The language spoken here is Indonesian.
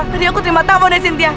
tadi aku terima tawonnya sintia